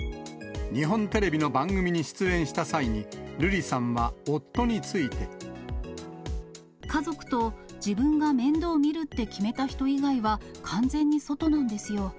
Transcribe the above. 日本テレビの番組に出演した際に、家族と自分が面倒見るって決めた人以外は、完全に外なんですよ。